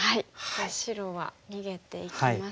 白は逃げていきます。